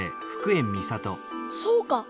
そうか！